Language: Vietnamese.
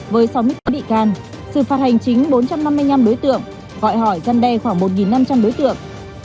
với sáu mươi tám bị can sự phạt hành chính bốn trăm năm mươi năm đối tượng gọi hỏi gian đe khoảng một năm trăm linh đối tượng